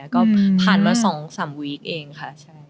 ก็ผ่านมา๒๓วีคเองค่ะ